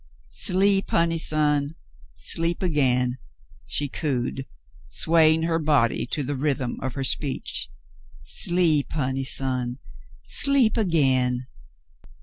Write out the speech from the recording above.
Sleep, honey son, sleep again," she cooed, swaying her body to the rhythm of her speech. "Sleep, honey son, sleep again."